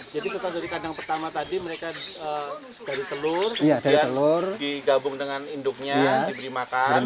jadi setelah dari kandang pertama tadi mereka dari telur digabung dengan induknya diberi makan